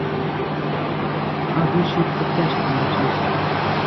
I wish you'd forget about us.